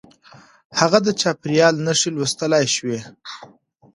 هغه د چاپېريال نښې لوستلای شوې.